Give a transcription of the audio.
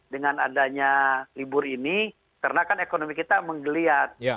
dengan adanya libur ini karena kan ekonomi kita menggeliat